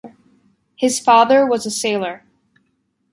His father was a sailor.